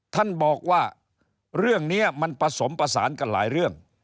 ท่านบอกว่าเรื่องนี้มันผสมประสานกันหลายเรื่อง